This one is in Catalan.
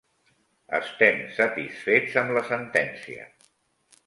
Estem satisfets amb la sentència.